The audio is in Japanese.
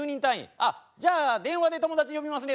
あっじゃあ電話で友達呼びますね。